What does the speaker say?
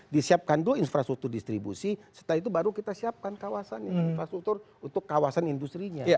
disiapkan dulu infrastruktur distribusi setelah itu baru kita siapkan kawasannya infrastruktur untuk kawasan industri nya